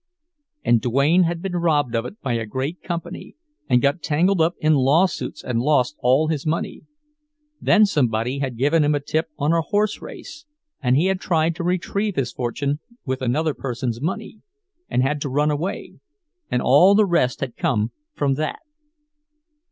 And Duane had been robbed of it by a great company, and got tangled up in lawsuits and lost all his money. Then somebody had given him a tip on a horse race, and he had tried to retrieve his fortune with another person's money, and had to run away, and all the rest had come from that.